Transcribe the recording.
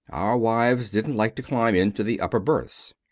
Our wives don't like to climb into the upper berths.'"